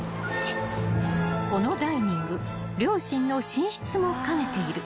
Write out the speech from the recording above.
［このダイニング両親の寝室も兼ねている］